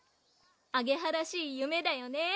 あげはらしい夢だよね